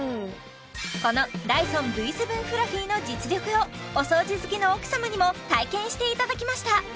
このダイソンＶ７フラフィの実力をお掃除好きの奥様にも体験していただきました